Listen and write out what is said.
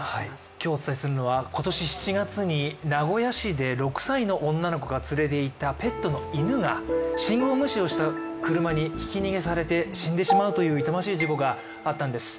今日お伝えするのは今年７月に名古屋市で６歳の男の子が連れていた犬が、信号無視をした車にひき逃げされて死んでしまうという痛ましい事故があったんです。